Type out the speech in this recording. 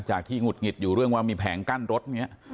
จากที่งุดงิดอยู่ว่ามีแผงกั้นรถอีก